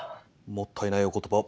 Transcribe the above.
もったいないお言葉。